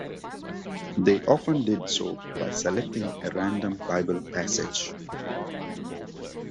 They often did so by selecting a random Bible passage.